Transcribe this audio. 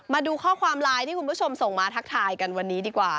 มาดูข้อความไลน์ที่คุณผู้ชมส่งมาทักทายกันวันนี้ดีกว่า